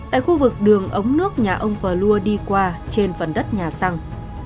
tại khu vực đường ống nước nhà ông pờ lua đi qua trên phần đất nhà săng